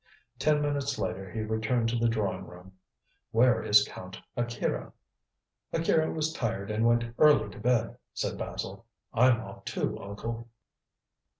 Ten minutes later he returned to the drawing room. "Where is Count Akira?" "Akira was tired and went early to bed," said Basil. "I'm off too, uncle."